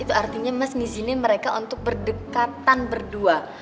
maksudnya mas ngizinin mereka untuk berdekatan berdua